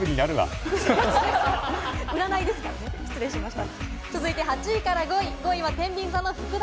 占いですから失礼いたしました。